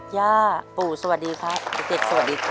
ย่าปู่สวัสดีครับเด็กสวัสดีครับ